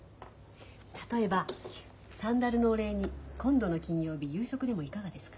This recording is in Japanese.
例えば「サンダルのお礼に今度の金曜日夕食でもいかがですか」。